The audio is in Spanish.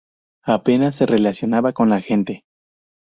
Apenas se relacionaba con la gente.